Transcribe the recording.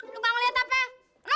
lu mau liat apa